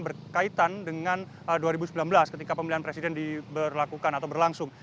berkaitan dengan dua ribu sembilan belas ketika pemilihan presiden diberlakukan atau berlangsung